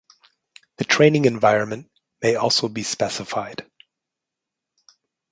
The training environment may also be specified.